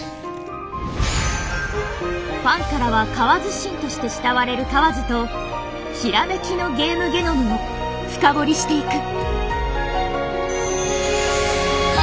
ファンからは「河津神」として慕われる河津と閃きのゲームゲノムを深掘りしていく。